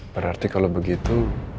berarti kalau begitu